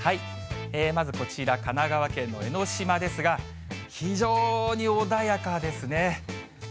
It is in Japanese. まずこちら、神奈川県の江の島ですが、非常に穏やかですね。